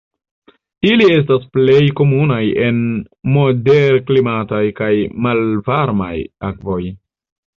Ili estas plej komunaj en moderklimataj kaj malvarmaj akvoj.